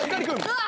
うわ！